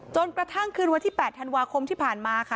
จนกระทั่งคืนวันที่๘ธันวาคมที่ผ่านมาค่ะ